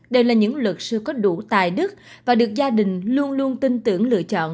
đây là những luật sư có đủ tài đức và được gia đình luôn luôn tin tưởng lựa chọn